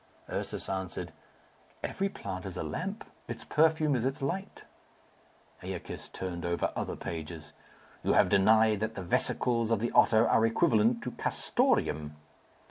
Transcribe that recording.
Ursus answered, "Every plant is a lamp. Its perfume is its light." Æacus turned over other pages. "You have denied that the vesicles of the otter are equivalent to castoreum."